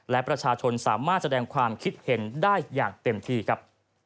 และประชาชนสามารถแสดงความคิดเห็นได้อย่างเต็มที่ครับ